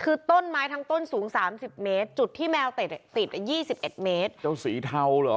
คือต้นไม้ทั้งต้นสูง๓๐เมตรจุดที่แมวติด๒๑เมตร